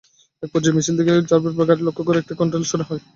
একপর্যায়ে মিছিল থেকে র্যাবের গাড়ি লক্ষ্য করে একটি ককটেল ছোড়া হয়।